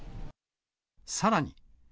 さらに。